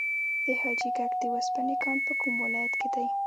د حاجي ګک د وسپنې کان په کوم ولایت کې دی؟